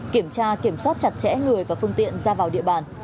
kiểm tra kiểm soát chặt chẽ người và phương tiện ra vào địa bàn